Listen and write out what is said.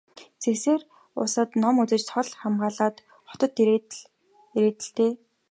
Сэсээр улсад ном үзэж цол хамгаалаад хотод ирээ л дээ.